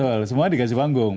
betul semua dikasih panggung